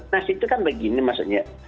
nasik itu kan begini maksudnya